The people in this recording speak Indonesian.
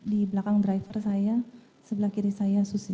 di belakang driver saya sebelah kiri saya susi